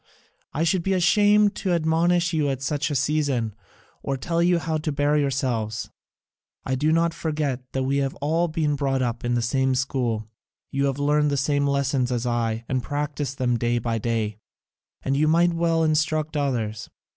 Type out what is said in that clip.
I should be ashamed to admonish you at such a season, or tell you how to bear yourselves: I do not forget that we have all been brought up in the same school, you have learnt the same lessons as I, and practised them day by day, and you might well instruct others.